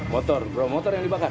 motor bro motor yang dibakar